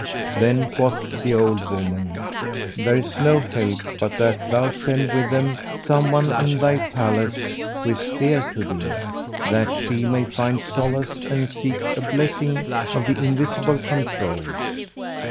Then quoth the old woman, 'There is no help but that thou send with them someone in thy palace who is dear to thee, that she may find solace and seek a blessing of the Invisible Controuls.'